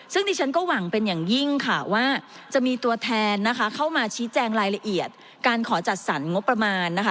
ซึ่งดิฉันก็หวังเป็นอย่างยิ่งค่ะว่าจะมีตัวแทนนะคะเข้ามาชี้แจงรายละเอียดการขอจัดสรรงบประมาณนะคะ